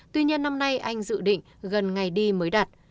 tuy nhiên năm nay anh dự định gần ngày đi mới đặt